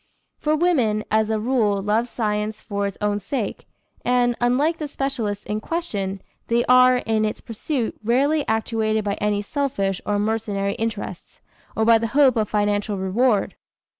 For women, as a rule, love science for its own sake, and, unlike the specialists in question, they are, in its pursuit, rarely actuated by any selfish or mercenary interests, or by the hope of financial reward.